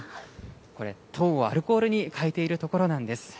これ、糖をアルコールに変えているところなんです。